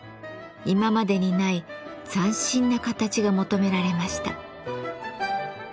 今までにない斬新な形が求められました。